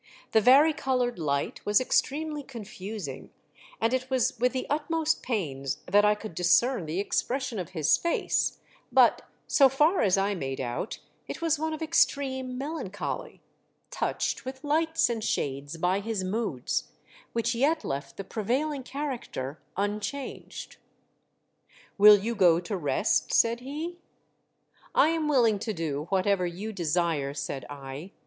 The vari coloured light was extremely confusing, and it was with the utmost pains that I could discern the expression of his face, but, lOO THE DEATH SHIP, SO far as I made out, it v/as one of extreme melancholy, touched with lights and shades by his moods, which yet left the prevailing character unchanged, " Will you go to rest ?" said he, " I am willing to do whatever you desire, said I.